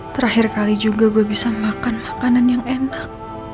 terakhir kali juga gue bisa makan makanan yang enak